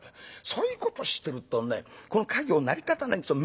そういうことしてるとねこの稼業成り立たないんですよ。